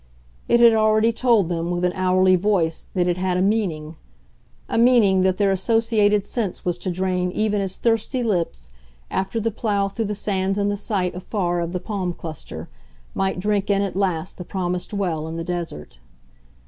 It had already told them, with an hourly voice, that it had a meaning a meaning that their associated sense was to drain even as thirsty lips, after the plough through the sands and the sight, afar, of the palm cluster, might drink in at last the promised well in the desert.